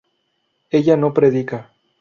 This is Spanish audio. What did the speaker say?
ella no predica